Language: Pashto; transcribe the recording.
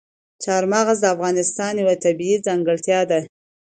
چار مغز د افغانستان یوه طبیعي ځانګړتیا ده.